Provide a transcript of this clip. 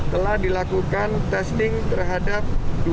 telah dilakukan testing terhadap dua sembilan ratus lima puluh lima